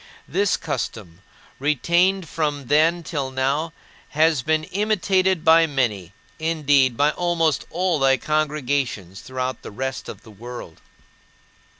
This custom, retained from then till now, has been imitated by many, indeed, by almost all thy congregations throughout the rest of the world.